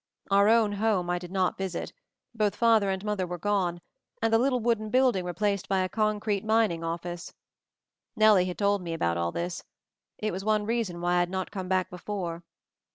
Our own house I did not visit — both father and mother were gone, and the little wooden building replaced by a concrete min ing office. Nellie had told me about all this ; it was one reason why I had not come back before.